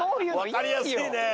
わかりやすいねぇ。